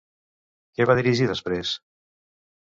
Què va dirigir després?